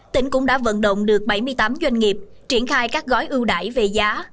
tỉnh cũng đã vận động được bảy mươi tám doanh nghiệp triển khai các gói ưu đải về giá